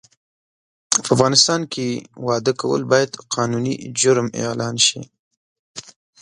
په افغانستان کې واده کول باید قانوني جرم اعلان سي